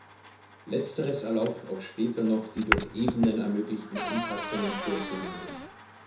Letzteres erlaubt, auch später noch die durch Ebenen ermöglichten Anpassungen vorzunehmen.